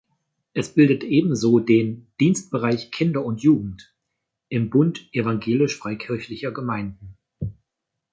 Es bildet ebenso den "Dienstbereich Kinder und Jugend" im Bund Evangelisch-Freikirchlicher Gemeinden.